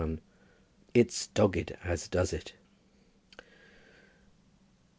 "IT'S DOGGED AS DOES IT."